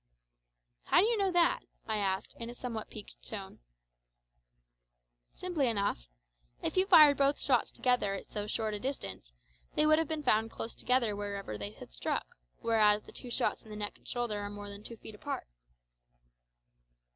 "How do you know that?" I asked, in a somewhat piqued tone. "Simply enough. If you fired both shots together at so short a distance, they would have been found close together wherever they had struck, whereas the two shots in the neck and shoulder are more than two feet apart."